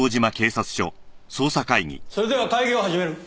それでは会議を始める。